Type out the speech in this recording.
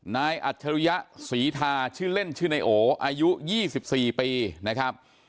อัจฉริยะศรีทาชื่อเล่นชื่อนายโออายุ๒๔ปีนะครับ